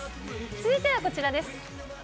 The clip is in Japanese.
続いてはこちらです。